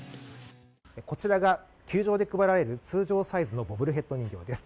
こちらが球場で配られる通常サイズのボブルヘッド人形です。